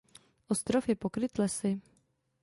Ostrov je pokryt lesy.